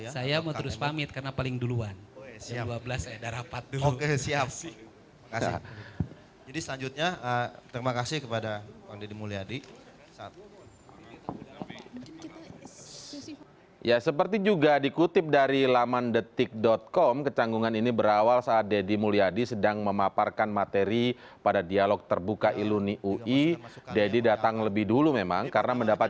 saya mau terus pamit karena paling duluan